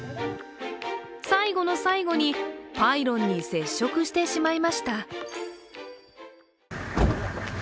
最後の最後に、パイロンに接触してしまいました。